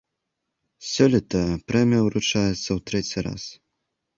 Сёлета прэмія ўручаецца ў трэці раз.